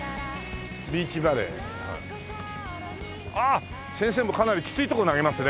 先生もかなりきつい所投げますね。